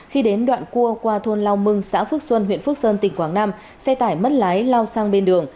khi đến đoạn cua qua thôn lao mừng xã phước xuân huyện phước sơn tỉnh quảng nam xe tải mất lái lao sang bên đường